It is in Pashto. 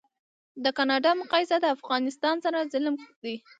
د کانادا مقایسه د افغانستان سره ظلم دی